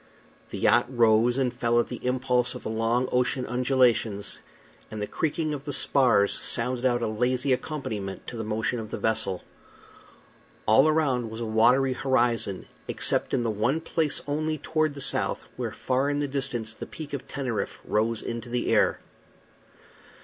The yacht rose and fell at the impulse of the long ocean undulations, and the creaking of the spars sounded out a lazy accompaniment to the motion of the vessel. All around was a watery horizon, except in the one place only, toward the south, where far in the distance the Peak of Teneriffe rose into the air.